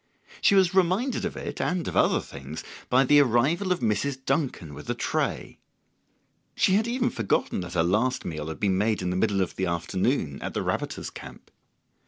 She was reminded of it and of other things by the arrival of Mrs. Duncan with a tray; she had even forgotten that her last meal had been made in the middle of the afternoon, at the rabbiter's camp.